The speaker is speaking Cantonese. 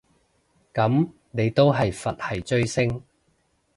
噉你都係佛系追星